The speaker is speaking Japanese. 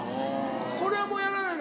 これもうやらないの？